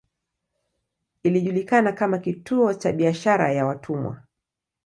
Ilijulikana kama kituo cha biashara ya watumwa.